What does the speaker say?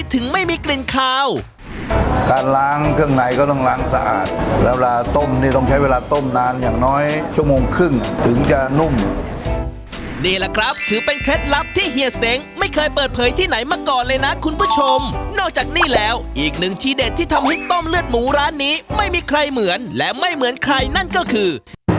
ต้องใช้เวลาต้มนานอย่างน้อยชั่วโมงครึ่งถึงจะนุ่มนี่ล่ะครับถือเป็นเคล็ดลับที่เฮียเสงห์ไม่เคยเปิดเผยที่ไหนมาก่อนเลยนะคุณผู้ชมนอกจากนี้แล้วอีกหนึ่งที่เด็ดที่ทำให้ต้มเลือดหมูร้านนี้ไม่มีใครเหมือนและไม่เหมือนใครนั่นก็คือ